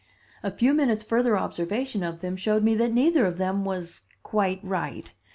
A few minutes' further observation of them showed me that neither of them was quite right.